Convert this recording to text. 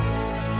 hello ini sarah